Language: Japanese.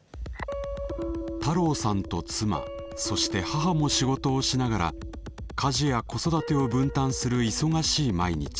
太郎さんと妻そして母も仕事をしながら家事や子育てを分担する忙しい毎日。